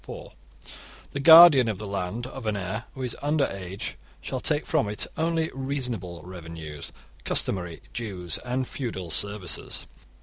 (4) The guardian of the land of an heir who is under age shall take from it only reasonable revenues, customary dues, and feudal services.